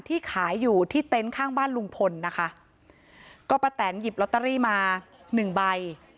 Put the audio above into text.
ที่ขายอยู่ที่เต็นต์ข้างบ้านลุงพลนะคะก็ป้าแตนหยิบลอตเตอรี่มาหนึ่งใบ